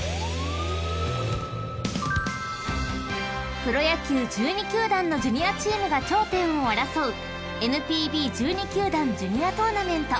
［プロ野球１２球団のジュニアチームが頂点を争うＮＰＢ１２球団ジュニアトーナメント］